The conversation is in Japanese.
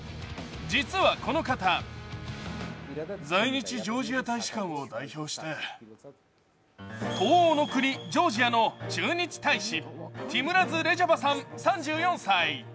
実はこの方東欧の国ジョージアの駐日大使ティムラズ・レジャバさん３４歳。